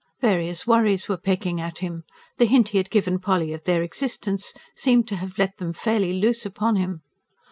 Various worries were pecking at him the hint he had given Polly of their existence seemed to have let them fairly loose upon him.